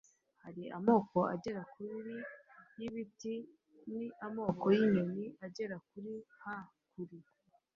Hari amoko agera kuri y ibiti n amoko y inyoni agera ha kuri